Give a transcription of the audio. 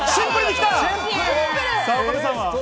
岡部さんは？